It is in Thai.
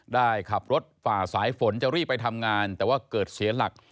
ได้ขับรถฝ่าสายฝนจะรีบไปทำงานแต่ว่าเกิดเสียหลัก